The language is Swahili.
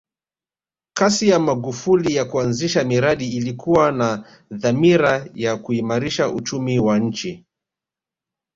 kasi ya magufuli ya kuanzisha miradi ilikuwa na dhamira ya kuimarisha uchumia wa nchi